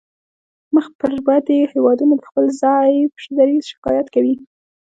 مخ پر ودې هیوادونه د خپل ضعیف دریځ شکایت کوي